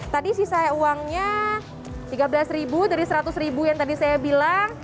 tadi sisa uangnya tiga belas ribu dari seratus ribu yang tadi saya bilang